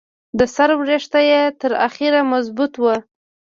د سر ویښته یې تر اخره مضبوط وو.